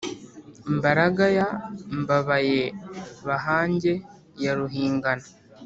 mbaraga ya mbabayabahange ya ruhingana